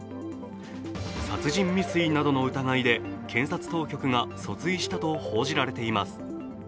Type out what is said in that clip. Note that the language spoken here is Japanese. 殺人未遂などの疑いで検察当局が訴追したと報じられています。